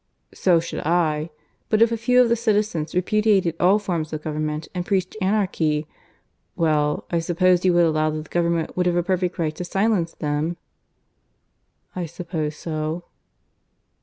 "So should I. But if a few of the citizens repudiated all forms of government and preached Anarchy, well, I suppose you would allow that the government would have a perfect right to silence them?" "I suppose so."